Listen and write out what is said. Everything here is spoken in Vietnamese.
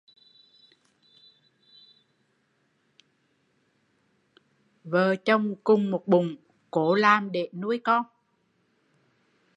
Vợ chồng cùng một bụng, cố làm để nuôi con